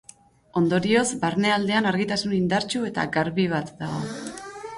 Ondorioz barnealdean argitasun indartsu eta garbi bat dago.